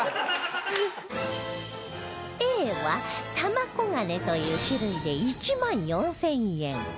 Ａ は玉黄金という種類で１万４０００円